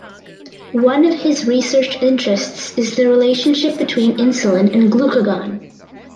One of his research interests is the relationship between insulin and glucagon.